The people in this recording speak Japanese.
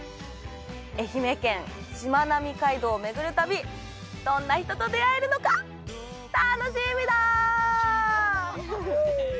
愛媛県、しまなみ海道を巡る旅、どんな人と出会えるのか、楽しみだ！